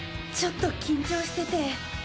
ちょっと緊張してて。